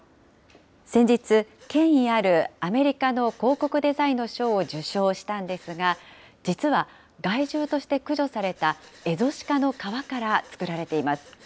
先日、権威あるアメリカの広告デザインの賞を受賞したんですが、実は、害獣として駆除されたエゾシカの革から作られています。